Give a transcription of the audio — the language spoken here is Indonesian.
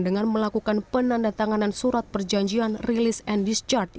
dengan melakukan penandatanganan surat perjanjian release and discharge